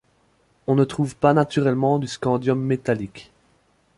On ne trouve pas naturellement de scandium métallique.